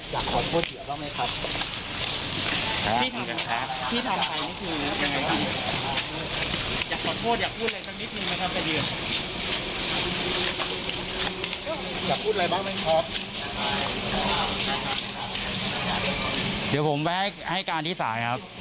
เดี๋ยวผมไว้ให้การที่สายครับ